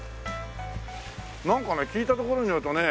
なんかね聞いたところによるとね